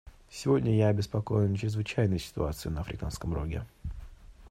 Сегодня я обеспокоен чрезвычайной ситуацией на Африканском Роге.